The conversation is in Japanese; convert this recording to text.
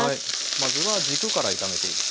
まずは軸から炒めていくと。